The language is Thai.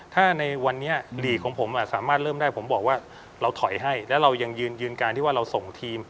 ถ้าในวันนี้ลีกของผมสามารถเริ่มได้ผมบอกว่าเราถอยให้แล้วเรายังยืนการที่ว่าเราส่งทีม